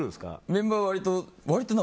メンバーは割と。